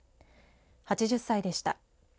８０歳でした。